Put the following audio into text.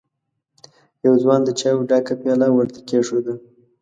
يوه ځوان د چايو ډکه پياله ور ته کېښوده.